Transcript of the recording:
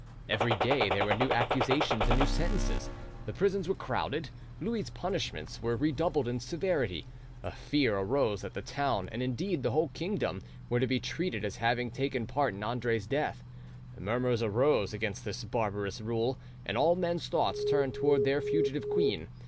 Every day there were new accusations and new sentences. The prisons were crowded: Louis's punishments were redoubled in severity. A fear arose that the town, and indeed the whole kingdom, were to be treated as having taken part in Andre's death. Murmurs arose against this barbarous rule, and all men's thoughts turned towards their fugitive queen.